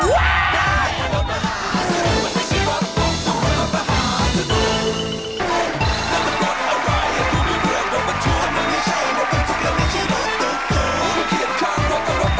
ช่วงนี้เป็นช่วงโชว์มหาสนุกครับ